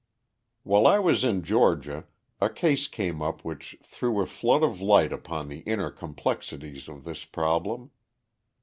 While I was in Georgia a case came up which threw a flood of light upon the inner complexities of this problem.